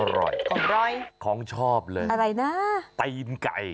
ของร้อยอะไรนะของชอบเลยตีนไก่